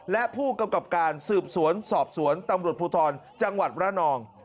และผู้กำกับการสืบสวนสอบสวนตำรวจภูทรจังหวัดระนอง